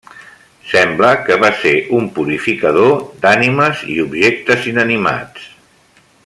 Sembla que va ser un purificador d'ànimes i objectes inanimats.